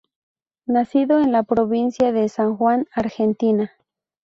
Nacido en la provincia de San Juan, Argentina.